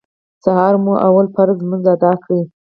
سهار مو لومړی فرض لمونځ اداء کړ.